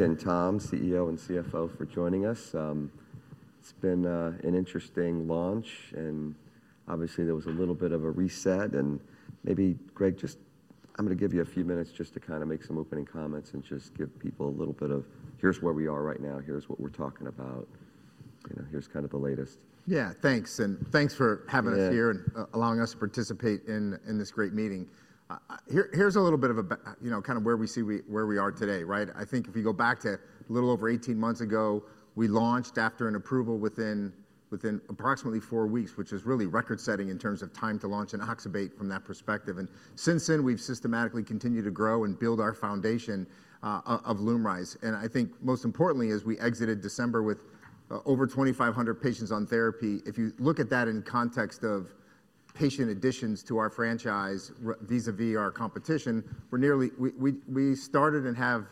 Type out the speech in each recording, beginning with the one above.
Again, Tom, CEO and CFO, for joining us. It's been an interesting launch, and obviously there was a little bit of a reset. Maybe, Greg, just I'm going to give you a few minutes just to kind of make some opening comments and just give people a little bit of, here's where we are right now, here's what we're talking about, you know, here's kind of the latest. Yeah, thanks. Thanks for having us here and allowing us to participate in this great meeting. Here's a little bit of a, you know, kind of where we see where we are today, right? I think if you go back to a little over 18 months ago, we launched after an approval within approximately four weeks, which is really record-setting in terms of time to launch an Oxybate from that perspective. Since then, we've systematically continued to grow and build our foundation of LUMRYZ. I think most importantly, as we exited December with over 2,500 patients on therapy, if you look at that in context of patient additions to our franchise vis-à-vis our competition, we started and have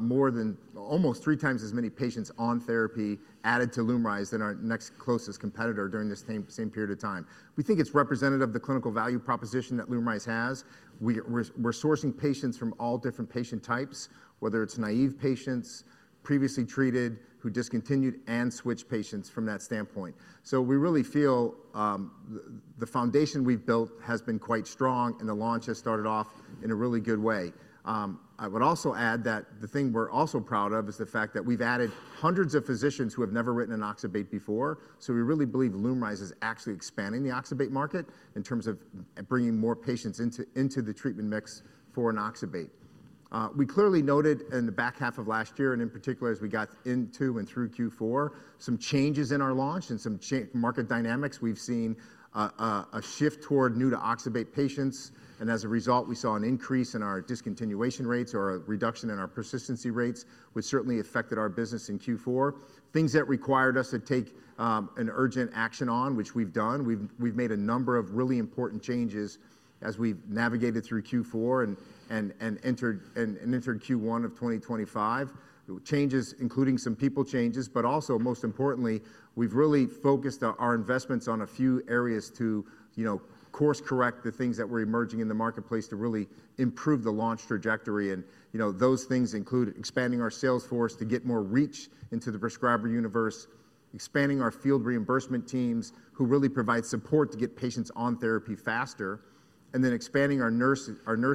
more than almost three times as many patients on therapy added to LUMRYZ than our next closest competitor during this same period of time. We think it's representative of the clinical value proposition that LUMRYZ has. We're sourcing patients from all different patient types, whether it's naive patients, previously treated, who discontinued, and switched patients from that standpoint. We really feel the foundation we've built has been quite strong, and the launch has started off in a really good way. I would also add that the thing we're also proud of is the fact that we've added hundreds of physicians who have never written an Oxybate before. We really believe LUMRYZ is actually expanding the Oxybate market in terms of bringing more patients into the treatment mix for an Oxybate. We clearly noted in the back half of last year, and in particular as we got into and through Q4, some changes in our launch and some market dynamics. We've seen a shift toward new to Oxybate patients. As a result, we saw an increase in our discontinuation rates or a reduction in our persistency rates, which certainly affected our business in Q4. Things that required us to take an urgent action on, which we've done. We've made a number of really important changes as we've navigated through Q4 and entered Q1 of 2025. Changes, including some people changes, but also most importantly, we've really focused our investments on a few areas to, you know, course-correct the things that were emerging in the marketplace to really improve the launch trajectory. You know, those things include expanding our sales force to get more reach into the prescriber universe, expanding our field reimbursement teams who really provide support to get patients on therapy faster, and then expanding our nurse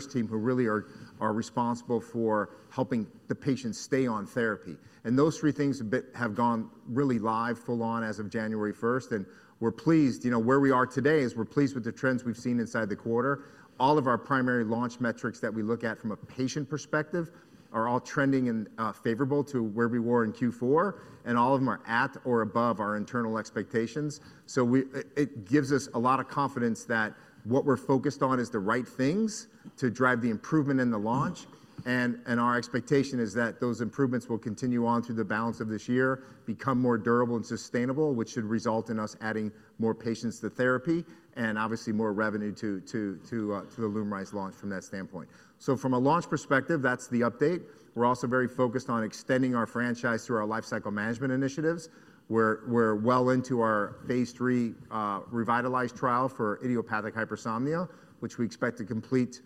team who really are responsible for helping the patients stay on therapy. Those three things have gone really live, full on as of January 1st. We're pleased, you know, where we are today is we're pleased with the trends we've seen inside the quarter. All of our primary launch metrics that we look at from a patient perspective are all trending and favorable to where we were in Q4, and all of them are at or above our internal expectations. It gives us a lot of confidence that what we're focused on is the right things to drive the improvement in the launch. Our expectation is that those improvements will continue on through the balance of this year, become more durable and sustainable, which should result in us adding more patients to therapy and obviously more revenue to the Lumryz launch from that standpoint. From a launch perspective, that's the update. We're also very focused on extending our franchise through our lifecycle management initiatives. We're well into our Phase 3 REVITALYZ trial for idiopathic hypersomnia, which we expect to complete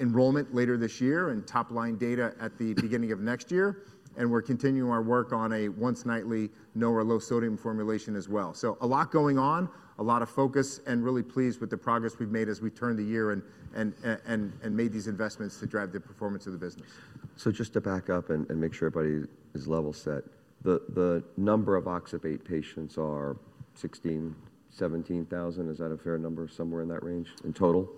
enrollment later this year and top line data at the beginning of next year. We're continuing our work on a once nightly no or low sodium formulation as well. A lot going on, a lot of focus, and really pleased with the progress we've made as we turned the year and made these investments to drive the performance of the business. Just to back up and make sure everybody is level set, the number of Oxybate patients are 16,000-17,000. Is that a fair number? Somewhere in that range in total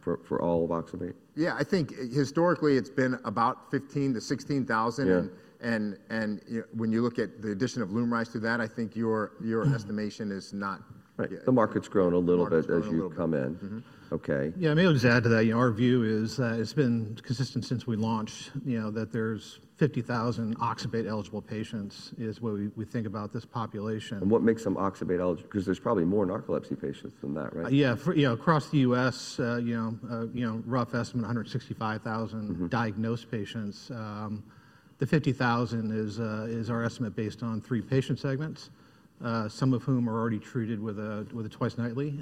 for all of Oxybate? Yeah, I think historically it's been about 15,000 to 16,000. And when you look at the addition of Lumryz to that, I think your estimation is not. Right. The market's grown a little bit as you come in. Okay. Yeah, I mean, I would just add to that, you know, our view is that it's been consistent since we launched, you know, that there's 50,000 Oxybate eligible patients is what we think about this population. What makes them Oxybate eligible? Because there's probably more narcolepsy patients than that, right? Yeah, you know, across the US, you know, rough estimate 165,000 diagnosed patients. The 50,000 is our estimate based on three patient segments, some of whom are already treated with a twice nightly,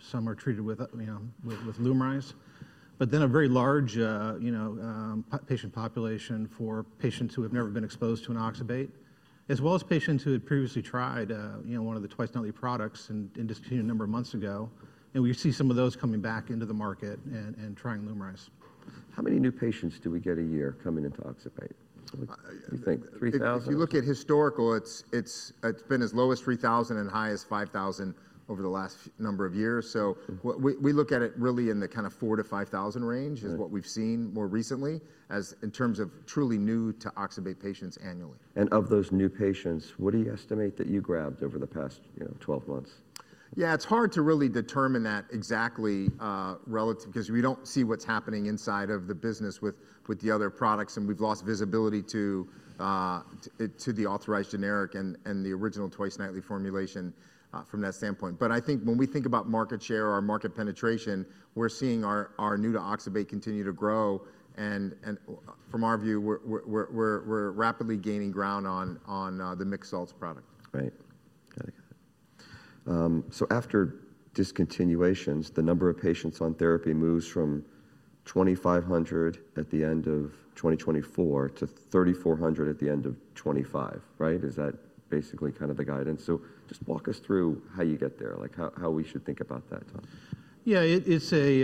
some are treated with LUMRYZ. You know, a very large, you know, patient population for patients who have never been exposed to an Oxybate, as well as patients who had previously tried, you know, one of the twice nightly products and discontinued a number of months ago. We see some of those coming back into the market and trying LUMRYZ. How many new patients do we get a year coming into Oxybate? Do you think? If you look at historical, it's been as low as 3,000 and high as 5,000 over the last number of years. We look at it really in the kind of 4,000-5,000 range is what we've seen more recently as in terms of truly new to Oxybate patients annually. Of those new patients, what do you estimate that you grabbed over the past, you know, 12 months? Yeah, it's hard to really determine that exactly relative because we don't see what's happening inside of the business with the other products, and we've lost visibility to the authorized generic and the original twice nightly formulation from that standpoint. I think when we think about market share or market penetration, we're seeing our new to Oxybate continue to grow. From our view, we're rapidly gaining ground on the mixed salts product. Right. After discontinuations, the number of patients on therapy moves from 2,500 at the end of 2024 to 3,400 at the end of 2025, right? Is that basically kind of the guidance? Just walk us through how you get there, like how we should think about that, Tom. Yeah, it's a,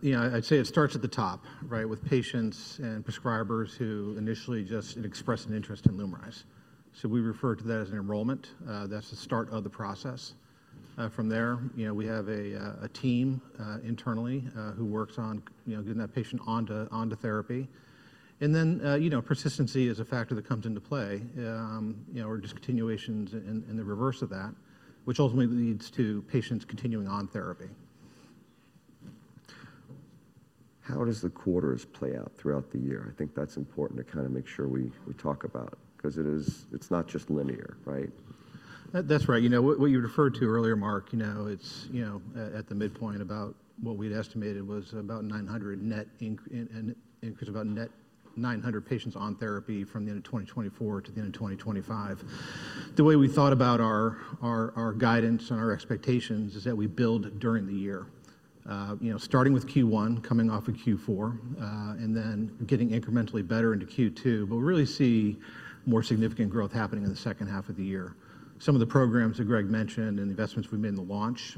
you know, I'd say it starts at the top, right, with patients and prescribers who initially just express an interest in Lumryz. So we refer to that as an enrollment. That's the start of the process. From there, you know, we have a team internally who works on getting that patient onto therapy. And then, you know, persistency is a factor that comes into play. You know, or discontinuations and the reverse of that, which ultimately leads to patients continuing on therapy. How does the quarters play out throughout the year? I think that's important to kind of make sure we talk about because it is, it's not just linear, right? That's right. You know, what you referred to earlier, Mark, you know, it's, you know, at the midpoint about what we'd estimated was about 900 net increase, about net 900 patients on therapy from the end of 2024 to the end of 2025. The way we thought about our guidance and our expectations is that we build during the year, you know, starting with Q1, coming off of Q4, and then getting incrementally better into Q2. We really see more significant growth happening in the second half of the year. Some of the programs that Greg mentioned and the investments we made in the launch,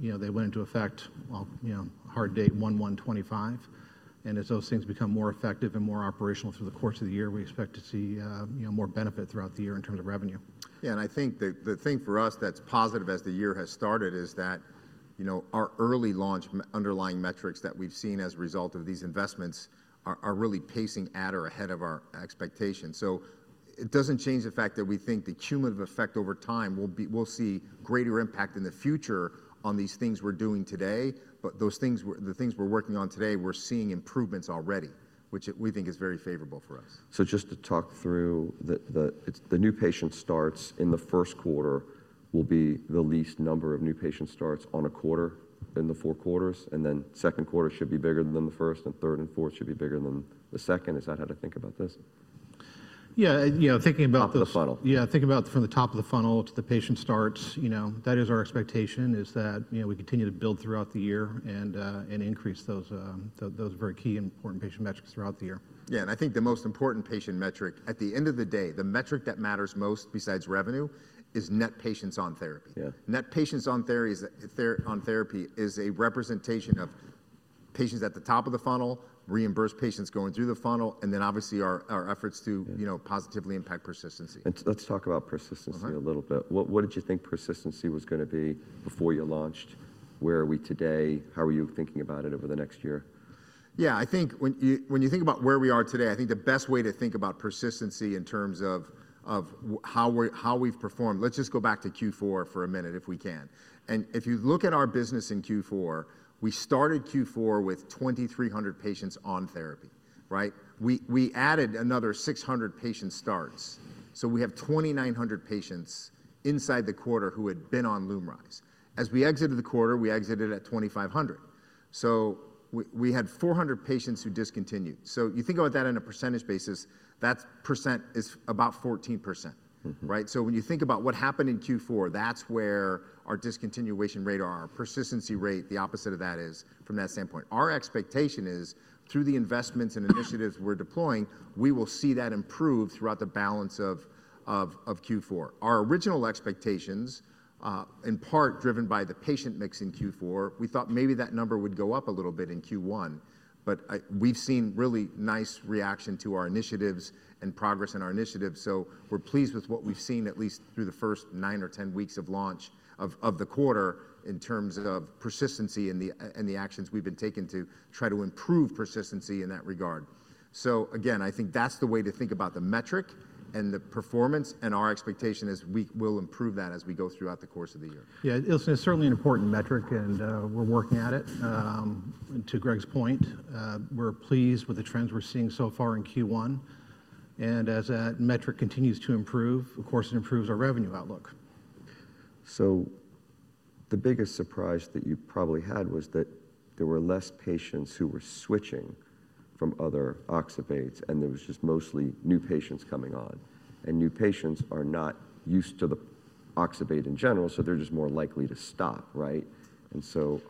you know, they went into effect on, you know, hard date 1/1/2025. As those things become more effective and more operational through the course of the year, we expect to see, you know, more benefit throughout the year in terms of revenue. Yeah, and I think the thing for us that's positive as the year has started is that, you know, our early launch underlying metrics that we've seen as a result of these investments are really pacing at or ahead of our expectations. It doesn't change the fact that we think the cumulative effect over time, we'll see greater impact in the future on these things we're doing today. Those things, the things we're working on today, we're seeing improvements already, which we think is very favorable for us. Just to talk through the new patient starts in the first quarter, will the first quarter be the least number of new patient starts in the four quarters? And then second quarter should be bigger than the first, and third and fourth should be bigger than the second. Is that how to think about this? Yeah, you know, thinking about. Top of the funnel. Yeah, thinking about from the top of the funnel to the patient starts, you know, that is our expectation is that, you know, we continue to build throughout the year and increase those very key and important patient metrics throughout the year. Yeah, and I think the most important patient metric at the end of the day, the metric that matters most besides revenue is net patients on therapy. Net patients on therapy is a representation of patients at the top of the funnel, reimbursed patients going through the funnel, and then obviously our efforts to, you know, positively impact persistency. Let's talk about persistency a little bit. What did you think persistency was going to be before you launched? Where are we today? How are you thinking about it over the next year? Yeah, I think when you think about where we are today, I think the best way to think about persistency in terms of how we've performed, let's just go back to Q4 for a minute if we can. If you look at our business in Q4, we started Q4 with 2,300 patients on therapy, right? We added another 600 patient starts. We have 2,900 patients inside the quarter who had been on Lumryz. As we exited the quarter, we exited at 2,500. We had 400 patients who discontinued. You think about that on a percentage basis, that percent is about 14%, right? When you think about what happened in Q4, that's where our discontinuation rate or our persistency rate, the opposite of that is from that standpoint. Our expectation is through the investments and initiatives we're deploying, we will see that improve throughout the balance of Q4. Our original expectations, in part driven by the patient mix in Q4, we thought maybe that number would go up a little bit in Q1, but we've seen really nice reaction to our initiatives and progress in our initiatives. We are pleased with what we've seen at least through the first nine or ten weeks of launch of the quarter in terms of persistency and the actions we've been taking to try to improve persistency in that regard. I think that's the way to think about the metric and the performance. Our expectation is we will improve that as we go throughout the course of the year. Yeah, it's certainly an important metric, and we're working at it. To Greg's point, we're pleased with the trends we're seeing so far in Q1. As that metric continues to improve, of course, it improves our revenue outlook. The biggest surprise that you probably had was that there were less patients who were switching from other Oxybates, and there was just mostly new patients coming on. New patients are not used to the Oxybate in general, so they're just more likely to stop, right?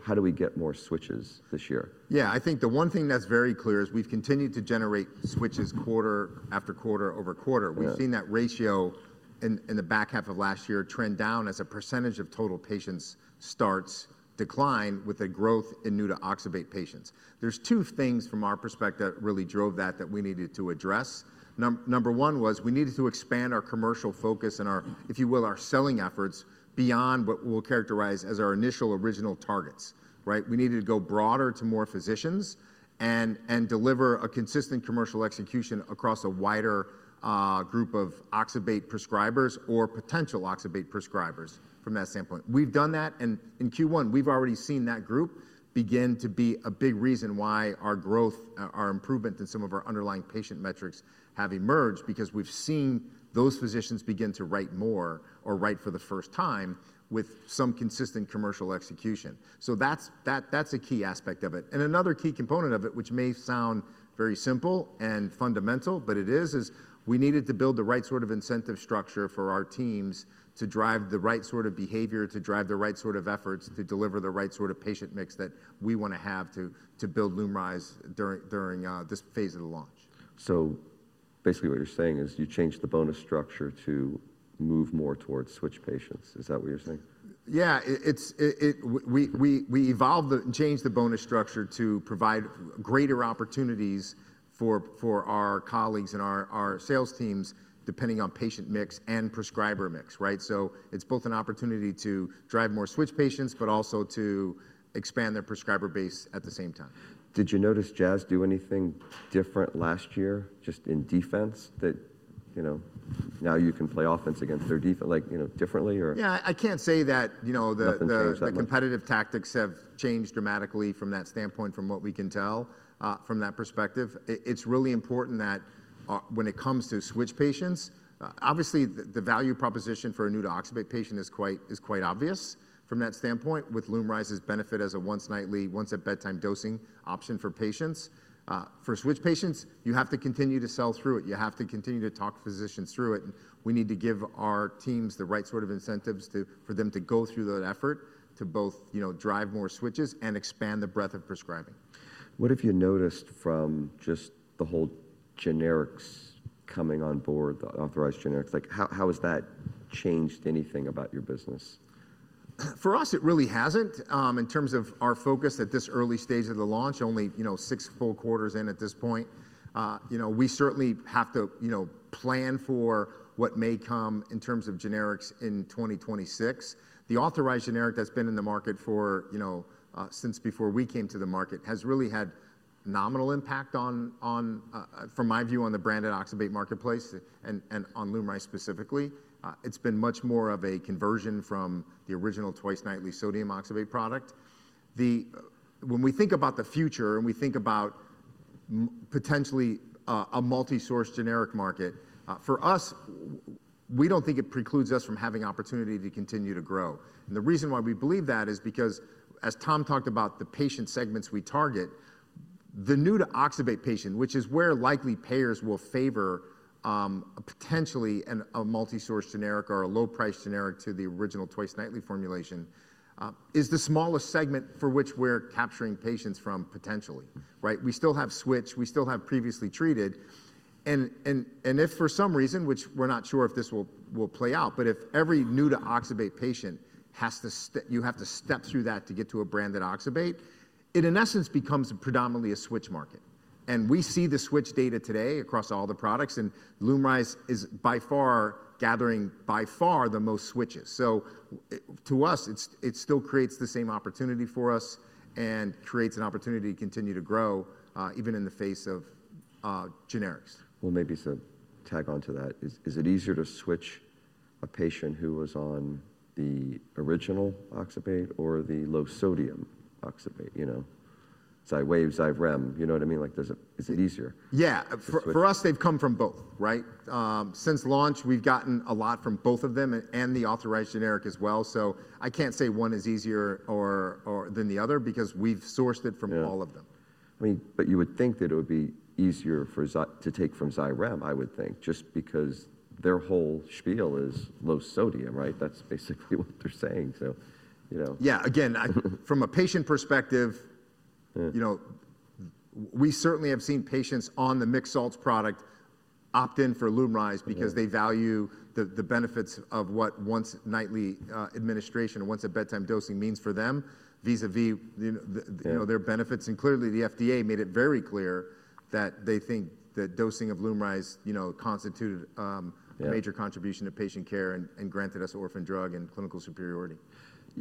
How do we get more switches this year? Yeah, I think the one thing that's very clear is we've continued to generate switches quarter after quarter over quarter. We've seen that ratio in the back half of last year trend down as a percentage of total patient starts decline with a growth in new to Oxybate patients. There's two things from our perspective that really drove that that we needed to address. Number one was we needed to expand our commercial focus and our, if you will, our selling efforts beyond what we'll characterize as our initial original targets, right? We needed to go broader to more physicians and deliver a consistent commercial execution across a wider group of Oxybate prescribers or potential Oxybate prescribers from that standpoint. We've done that. In Q1, we've already seen that group begin to be a big reason why our growth, our improvement in some of our underlying patient metrics have emerged because we've seen those physicians begin to write more or write for the first time with some consistent commercial execution. That is a key aspect of it. Another key component of it, which may sound very simple and fundamental, but it is, is we needed to build the right sort of incentive structure for our teams to drive the right sort of behavior, to drive the right sort of efforts to deliver the right sort of patient mix that we want to have to build LUMRYZ during this phase of the launch. Basically what you're saying is you changed the bonus structure to move more towards switch patients. Is that what you're saying? Yeah, we evolved and changed the bonus structure to provide greater opportunities for our colleagues and our sales teams depending on patient mix and prescriber mix, right? It is both an opportunity to drive more switch patients, but also to expand their prescriber base at the same time. Did you notice Jazz do anything different last year just in defense that, you know, now you can play offense against their defense, like, you know, differently or? Yeah, I can't say that, you know, the competitive tactics have changed dramatically from that standpoint, from what we can tell from that perspective. It's really important that when it comes to switch patients, obviously the value proposition for a new to Oxybate patient is quite obvious from that standpoint with Lumryz's benefit as a once nightly, once at bedtime dosing option for patients. For switch patients, you have to continue to sell through it. You have to continue to talk physicians through it. You have to give our teams the right sort of incentives for them to go through that effort to both, you know, drive more switches and expand the breadth of prescribing. What have you noticed from just the whole generics coming on board, the authorized generics? Like how has that changed anything about your business? For us, it really hasn't in terms of our focus at this early stage of the launch, only, you know, six full quarters in at this point. You know, we certainly have to, you know, plan for what may come in terms of generics in 2026. The authorized generic that's been in the market for, you know, since before we came to the market has really had nominal impact on, from my view, on the branded Oxybate marketplace and on Lumryz specifically. It's been much more of a conversion from the original twice nightly Sodium oxybate product. When we think about the future and we think about potentially a multi-source generic market, for us, we don't think it precludes us from having opportunity to continue to grow. The reason why we believe that is because, as Tom talked about, the patient segments we target, the new to Oxybate patient, which is where likely payers will favor potentially a multi-source generic or a low-priced generic to the original twice nightly formulation, is the smallest segment for which we're capturing patients from potentially, right? We still have switch, we still have previously treated. If for some reason, which we're not sure if this will play out, but if every new to Oxybate patient has to, you have to step through that to get to a branded Oxybate, it in essence becomes predominantly a switch market. We see the switch data today across all the products, and LUMRYZ is by far gathering by far the most switches. To us, it still creates the same opportunity for us and creates an opportunity to continue to grow even in the face of generics. Maybe to tag on to that, is it easier to switch a patient who was on the original Oxybate or the low Sodium oxybate, you know? Xywav, Xyrem, you know what I mean? Like is it easier? Yeah, for us, they've come from both, right? Since launch, we've gotten a lot from both of them and the authorized generic as well. I can't say one is easier than the other because we've sourced it from all of them. I mean, you would think that it would be easier to take from Xywav, I would think, just because their whole spiel is low sodium, right? That's basically what they're saying. You know. Yeah, again, from a patient perspective, you know, we certainly have seen patients on the mixed salts product opt in for Lumryz because they value the benefits of what once nightly administration and once at bedtime dosing means for them vis-à-vis their benefits. Clearly, the FDA made it very clear that they think that dosing of Lumryz, you know, constituted a major contribution to patient care and granted us orphan drug and clinical superiority.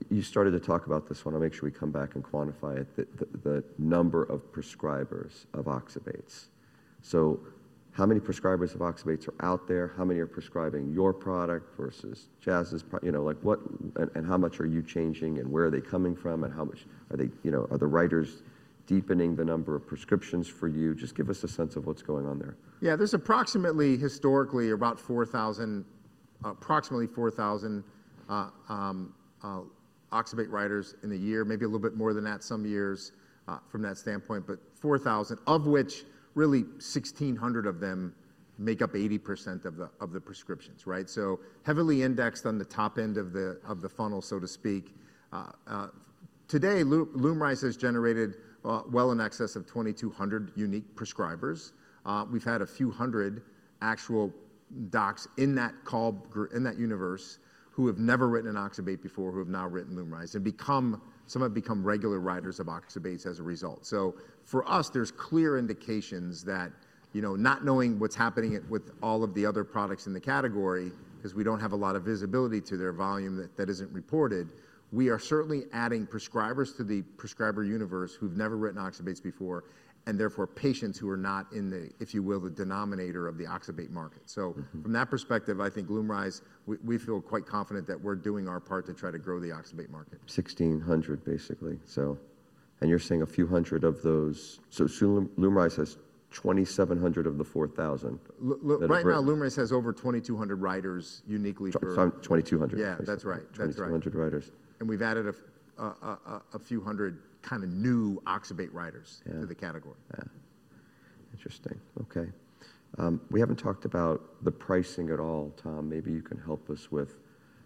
You started to talk about this. I want to make sure we come back and quantify it, the number of prescribers of Oxybates. How many prescribers of Oxybates are out there? How many are prescribing your product versus Jazz's, you know, like what and how much are you changing and where are they coming from and how much are they, you know, are the writers deepening the number of prescriptions for you? Just give us a sense of what's going on there. Yeah, there's approximately historically about 4,000, approximately 4,000 Oxybate writers in the year, maybe a little bit more than that some years from that standpoint, but 4,000 of which really 1,600 of them make up 80% of the prescriptions, right? Heavily indexed on the top end of the funnel, so to speak. Today, LUMRYZ has generated well in excess of 2,200 unique prescribers. We've had a few hundred actual docs in that universe who have never written an Oxybate before, who have now written LUMRYZ and become, some have become regular writers of Oxybates as a result. For us, there's clear indications that, you know, not knowing what's happening with all of the other products in the category, because we don't have a lot of visibility to their volume that isn't reported, we are certainly adding prescribers to the prescriber universe who've never written Oxybates before and therefore patients who are not in the, if you will, the denominator of the Oxybate market. From that perspective, I think Lumryz, we feel quite confident that we're doing our part to try to grow the Oxybate market. 1,600 basically. And you're saying a few hundred of those. So, Lumryz has 2,700 of the 4,000. Right now, Lumryz has over 2,200 writers uniquely for. 2,200. Yeah, that's right. 2,200 writers. We have added a few hundred kind of new Oxybate writers to the category. Yeah. Interesting. Okay. We have not talked about the pricing at all, Tom. Maybe you can help us with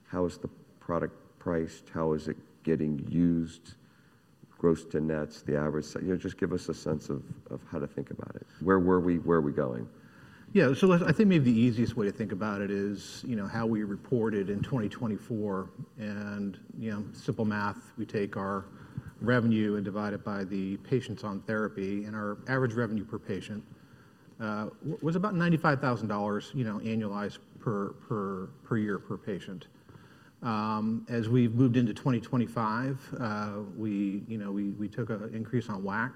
how is the product priced, how is it getting used, gross to nets, the average, you know, just give us a sense of how to think about it. Where were we? Where are we going? Yeah, so I think maybe the easiest way to think about it is, you know, how we reported in 2024 and, you know, simple math, we take our revenue and divide it by the patients on therapy and our average revenue per patient was about $95,000, you know, annualized per year per patient. As we've moved into 2025, we, you know, we took an increase on WAC.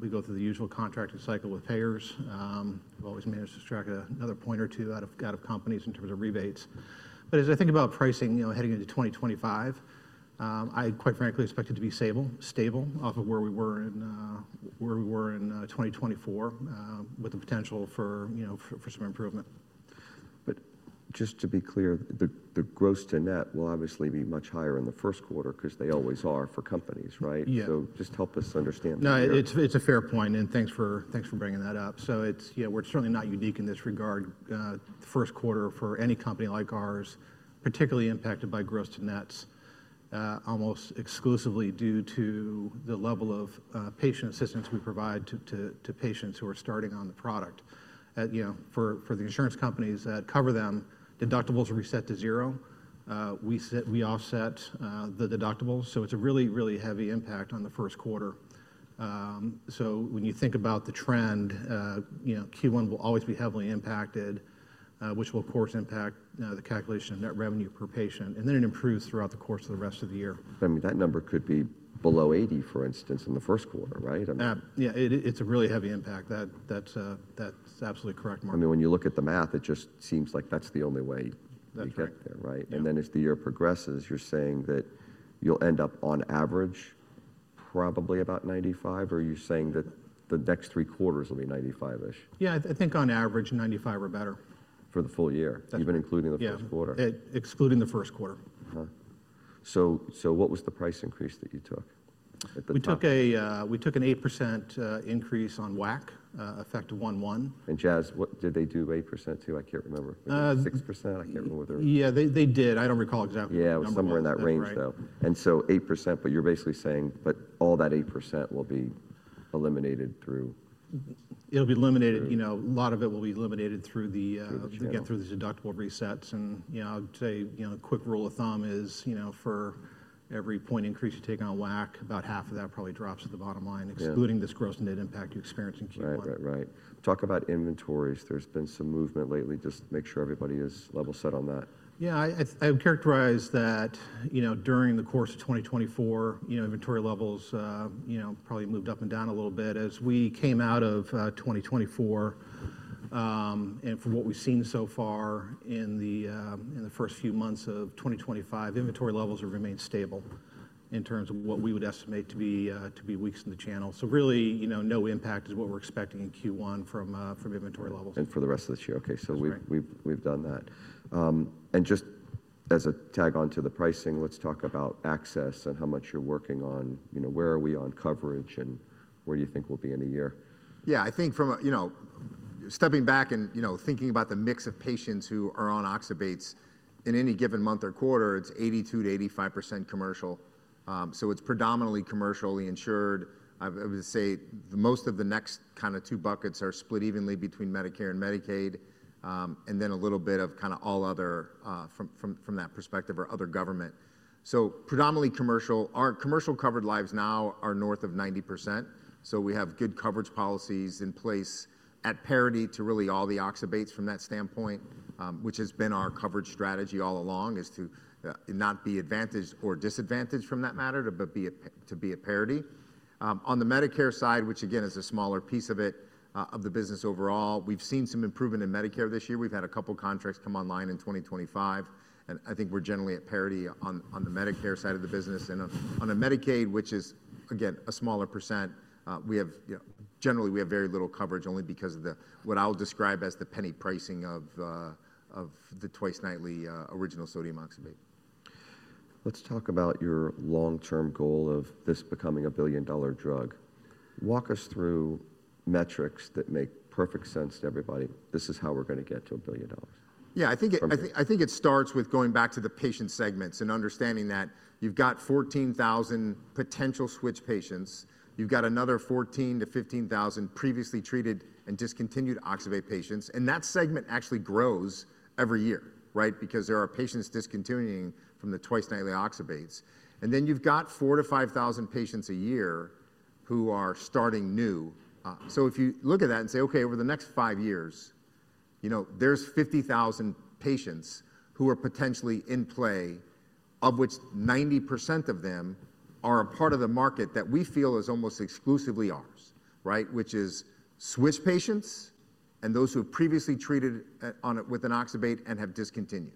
We go through the usual contracting cycle with payers. We've always managed to track another point or two out of companies in terms of rebates. As I think about pricing, you know, heading into 2025, I quite frankly expect it to be stable, stable off of where we were in 2024 with the potential for, you know, for some improvement. Just to be clear, the gross to net will obviously be much higher in the first quarter because they always are for companies, right? So just help us understand. No, it's a fair point. Thanks for bringing that up. It's, you know, we're certainly not unique in this regard. The first quarter for any company like ours is particularly impacted by gross to nets almost exclusively due to the level of patient assistance we provide to patients who are starting on the product. You know, for the insurance companies that cover them, deductibles are reset to zero. We offset the deductibles. It's a really, really heavy impact on the first quarter. When you think about the trend, you know, Q1 will always be heavily impacted, which will of course impact the calculation of net revenue per patient. It improves throughout the course of the rest of the year. I mean, that number could be below 80, for instance, in the first quarter, right? Yeah, it's a really heavy impact. That's absolutely correct, Mark. I mean, when you look at the math, it just seems like that's the only way you get there, right? When the year progresses, you're saying that you'll end up on average probably about 95, or are you saying that the next three quarters will be 95-ish? Yeah, I think on average 95% or better. For the full year, even including the first quarter. Excluding the first quarter. What was the price increase that you took? We took an 8% increase on WAC, effect 1-1. Jazz, what did they do 8% to? I can't remember. 6%? I can't remember what they were. Yeah, they did. I don't recall exactly. Yeah, it was somewhere in that range though. 8%, but you're basically saying, but all that 8% will be eliminated through. It'll be eliminated, you know, a lot of it will be eliminated through the, again, through these deductible resets. You know, I'd say, you know, a quick rule of thumb is, you know, for every point increase you take on WAC, about half of that probably drops to the bottom line, excluding this gross net impact you experience in Q1. Right, right, right. Talk about inventories. There's been some movement lately. Just make sure everybody is level set on that. Yeah, I would characterize that, you know, during the course of 2024, you know, inventory levels, you know, probably moved up and down a little bit as we came out of 2024. And from what we've seen so far in the first few months of 2025, inventory levels have remained stable in terms of what we would estimate to be weeks in the channel. So really, you know, no impact is what we're expecting in Q1 from inventory levels. For the rest of this year. Okay. We have done that. Just as a tag onto the pricing, let's talk about access and how much you are working on, you know, where are we on coverage and where do you think we will be in a year? Yeah, I think from, you know, stepping back and, you know, thinking about the mix of patients who are on Oxybates in any given month or quarter, it's 82-85% commercial. So it's predominantly commercially insured. I would say most of the next kind of two buckets are split evenly between Medicare and Medicaid and then a little bit of kind of all other from that perspective or other government. So predominantly commercial. Our commercial covered lives now are north of 90%. So we have good coverage policies in place at parity to really all the Oxybates from that standpoint, which has been our coverage strategy all along is to not be advantaged or disadvantaged from that matter, but be at parity. On the Medicare side, which again is a smaller piece of it of the business overall, we've seen some improvement in Medicare this year. We've had a couple of contracts come online in 2025. I think we're generally at parity on the Medicare side of the business. On the Medicaid, which is again a smaller %, we have, you know, generally we have very little coverage only because of what I'll describe as the penny pricing of the twice nightly original sodium oxybate. Let's talk about your long-term goal of this becoming a billion-dollar drug. Walk us through metrics that make perfect sense to everybody. This is how we're going to get to a billion dollars. Yeah, I think it starts with going back to the patient segments and understanding that you've got 14,000 potential switch patients. You've got another 14,000-15,000 previously treated and discontinued Oxybate patients. That segment actually grows every year, right? Because there are patients discontinuing from the twice nightly Oxybates. You've got 4,000-5,000 patients a year who are starting new. If you look at that and say, okay, over the next five years, there's 50,000 patients who are potentially in play, of which 90% of them are a part of the market that we feel is almost exclusively ours, right? Which is switch patients and those who have previously treated with an Oxybate and have discontinued.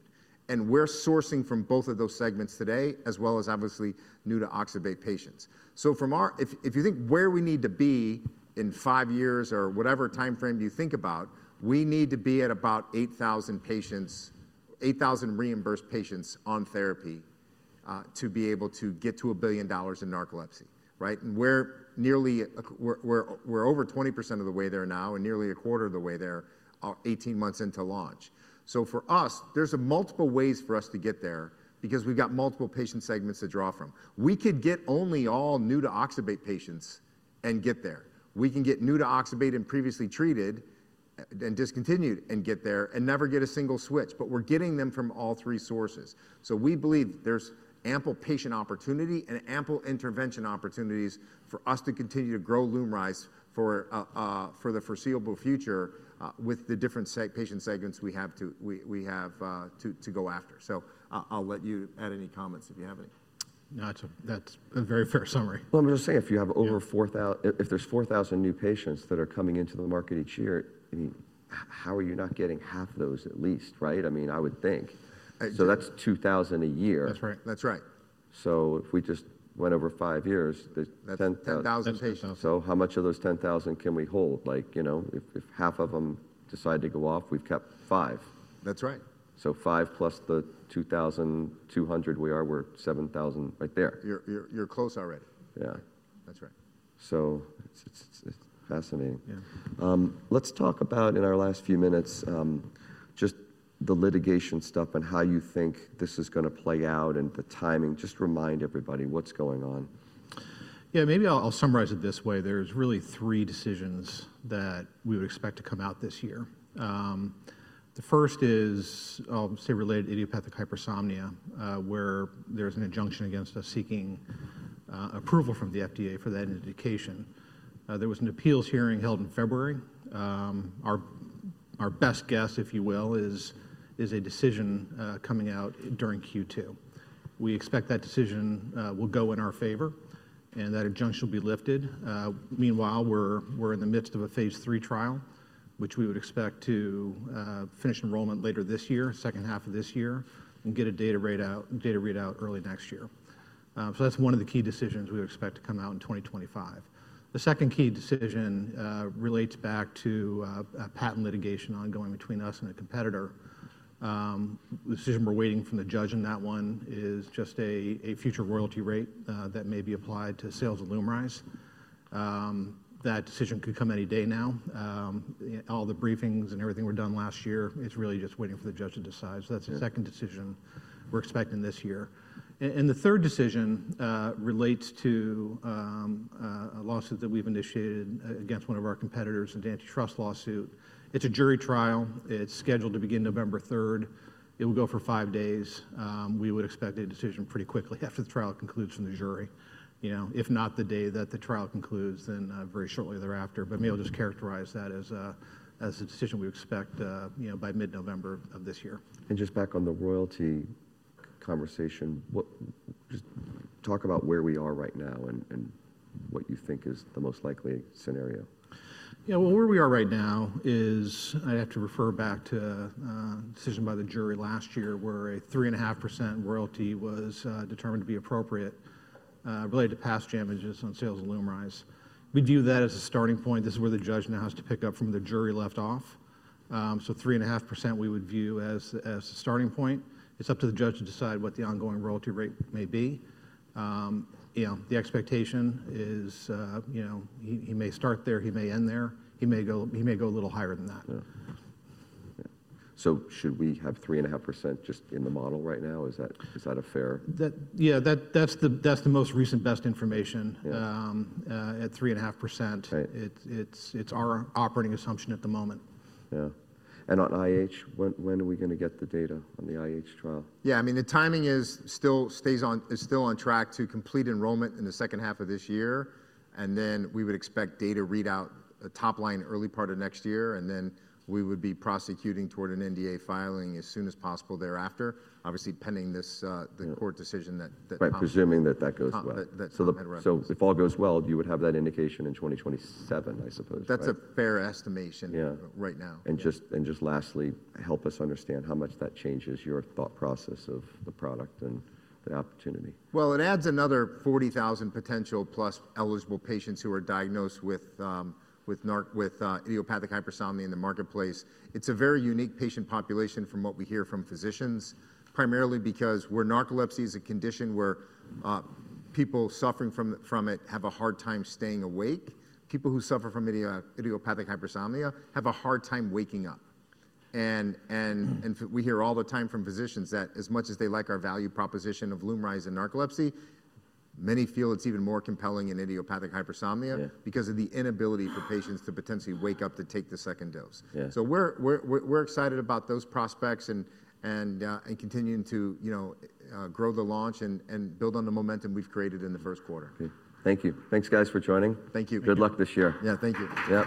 We're sourcing from both of those segments today as well as obviously new to Oxybate patients. If you think where we need to be in five years or whatever timeframe you think about, we need to be at about 8,000 patients, 8,000 reimbursed patients on therapy to be able to get to $1 billion in narcolepsy, right? We are nearly, we are over 20% of the way there now and nearly a quarter of the way there 18 months into launch. For us, there are multiple ways for us to get there because we have multiple patient segments to draw from. We could get only all new to Oxybate patients and get there. We can get new to Oxybate and previously treated and discontinued and get there and never get a single switch, but we are getting them from all three sources. We believe there's ample patient opportunity and ample intervention opportunities for us to continue to grow Lumryz for the foreseeable future with the different patient segments we have to go after. I'll let you add any comments if you have any. No, that's a very fair summary. I'm just saying if you have over 4,000, if there's 4,000 new patients that are coming into the market each year, I mean, how are you not getting half of those at least, right? I mean, I would think. That's 2,000 a year. That's right. That's right. If we just went over five years, 10,000. That's 10,000 patients. How much of those 10,000 can we hold? Like, you know, if half of them decide to go off, we've kept five. That's right. Five plus the 2,200, we are, we're 7,000 right there. You're close already. Yeah. That's right. It's fascinating. Let's talk about in our last few minutes, just the litigation stuff and how you think this is going to play out and the timing. Just remind everybody what's going on. Yeah, maybe I'll summarize it this way. There's really three decisions that we would expect to come out this year. The first is, I'll say related to idiopathic hypersomnia, where there's an injunction against us seeking approval from the FDA for that indication. There was an appeals hearing held in February. Our best guess, if you will, is a decision coming out during Q2. We expect that decision will go in our favor and that injunction will be lifted. Meanwhile, we're in the midst of a phase three trial, which we would expect to finish enrollment later this year, second half of this year, and get a data readout early next year. That is one of the key decisions we expect to come out in 2025. The second key decision relates back to patent litigation ongoing between us and a competitor. The decision we're waiting from the judge in that one is just a future royalty rate that may be applied to sales of LUMRYZ. That decision could come any day now. All the briefings and everything were done last year, it's really just waiting for the judge to decide. That is the second decision we're expecting this year. The third decision relates to a lawsuit that we've initiated against one of our competitors in an antitrust lawsuit. It's a jury trial. It's scheduled to begin November 3rd. It will go for five days. We would expect a decision pretty quickly after the trial concludes from the jury. You know, if not the day that the trial concludes, then very shortly thereafter. Maybe I'll just characterize that as a decision we expect, you know, by mid-November of this year. Just back on the royalty conversation, just talk about where we are right now and what you think is the most likely scenario. Yeah, where we are right now is I have to refer back to a decision by the jury last year where a 3.5% royalty was determined to be appropriate related to past damages on sales of Lumryz. We view that as a starting point. This is where the judge now has to pick up from where the jury left off. So 3.5% we would view as a starting point. It's up to the judge to decide what the ongoing royalty rate may be. You know, the expectation is, you know, he may start there, he may end there, he may go a little higher than that. Should we have 3.5% just in the model right now? Is that fair? Yeah, that's the most recent best information at 3.5%. It's our operating assumption at the moment. Yeah. On IH, when are we going to get the data on the IH trial? Yeah, I mean, the timing is still on track to complete enrollment in the second half of this year. We would expect data readout top line early part of next year. We would be prosecuting toward an NDA filing as soon as possible thereafter, obviously pending the court decision that. By presuming that that goes well. If all goes well, you would have that indication in 2027, I suppose. That's a fair estimation right now. Just lastly, help us understand how much that changes your thought process of the product and the opportunity. It adds another 40,000 potential plus eligible patients who are diagnosed with idiopathic hypersomnia in the marketplace. It's a very unique patient population from what we hear from physicians, primarily because narcolepsy is a condition where people suffering from it have a hard time staying awake. People who suffer from idiopathic hypersomnia have a hard time waking up. We hear all the time from physicians that as much as they like our value proposition of LUMRYZ in narcolepsy, many feel it's even more compelling in idiopathic hypersomnia because of the inability for patients to potentially wake up to take the second dose. We are excited about those prospects and continuing to, you know, grow the launch and build on the momentum we've created in the first quarter. Thank you. Thanks, guys, for joining. Thank you. Good luck this year. Yeah, thank you. Yep.